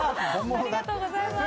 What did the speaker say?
ありがとうございます。